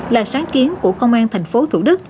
đối với lực lượng công an thành phố thủ đức